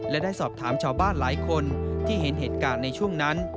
และได้สอบถามชาวบ้านหลายคนที่เห็นเหตุการณ์ในช่วงนั้น